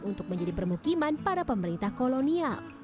untuk menjadi permukiman para pemerintah kolonial